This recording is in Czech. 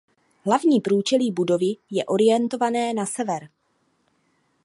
Hlavní průčelí budovy je orientované na sever.